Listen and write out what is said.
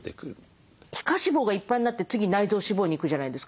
皮下脂肪がいっぱいになって次内臓脂肪に行くじゃないですか。